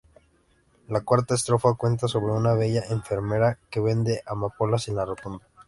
La cuarta estrofa cuenta sobre una bella enfermera que vende amapolas en la rotonda.